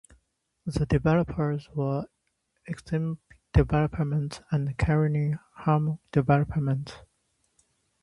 The developers were Exemplar Developments and Canary Wharf Developments.